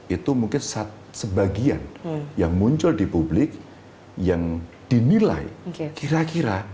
itu mungkin sebagian yang muncul di publik yang dinilai kira kira